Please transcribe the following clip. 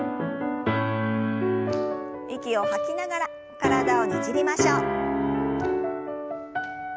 息を吐きながら体をねじりましょう。